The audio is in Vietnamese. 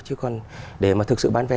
chứ còn để mà thực sự bán vé